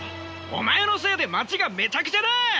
お前のせいで街がめちゃくちゃだ！